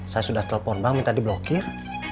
saya sudah telpon bank minta di blokir